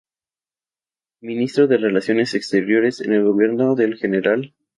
Ministro de Relaciones Exteriores, en el gobierno del Gral.